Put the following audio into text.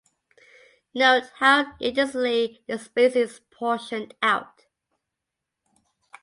Note how ingeniously the space is portioned out.